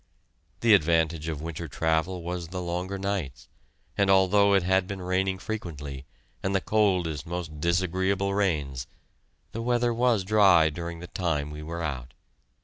The advantage of winter travel was the longer nights, and although it had been raining frequently, and the coldest, most disagreeable rains, the weather was dry during the time we were out.